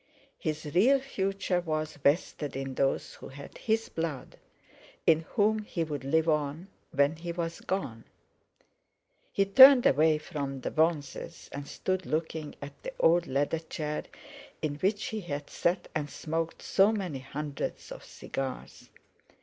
His real future was vested in those who had his blood, in whom he would live on when he was gone. He turned away from the bronzes and stood looking at the old leather chair in which he had sat and smoked so many hundreds of cigars.